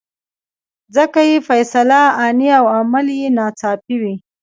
ځکه یې فیصله آني او عمل یې ناڅاپي وي.